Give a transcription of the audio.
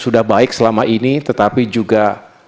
sudah baik selama ini tetapi juga